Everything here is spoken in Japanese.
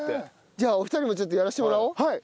じゃあお二人もちょっとやらせてもらおう。